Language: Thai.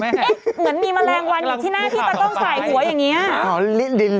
เหมือนมีแมลงวันอยู่ที่หน้าที่ตาต้องใส่หัวอย่างนี้